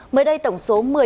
mới đây tổng số một mươi bảy